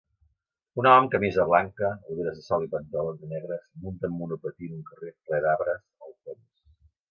Un home amb camisa blanca, ulleres de sol i pantalons negres munta en monopatí en un carrer ple d'arbres al fons